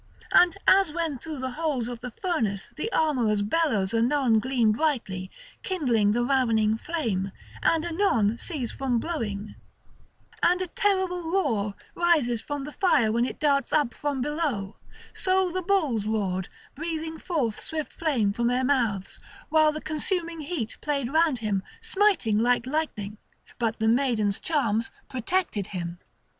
And as when through the holes of the furnace the armourers' bellows anon gleam brightly, kindling the ravening flame, and anon cease from blowing, and a terrible roar rises from the fire when it darts up from below; so the bulls roared, breathing forth swift flame from their mouths, while the consuming heat played round him, smiting like lightning; but the maiden's charms protected him.